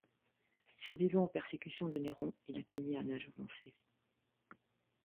Survivant aux persécutions de Néron, il atteignit un âge avancé.